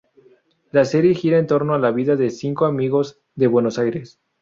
La serie gira en torno a la vida de cinco amigos de Buenos Aires.